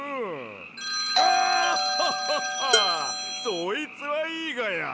そいつはいいがや！